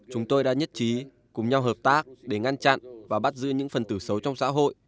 chúng tôi đã nhất trí cùng nhau hợp tác để ngăn chặn và bắt giữ những phần tử xấu trong xã hội